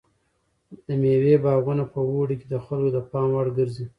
د مېوې باغونه په اوړي کې د خلکو د پام وړ ګرځي.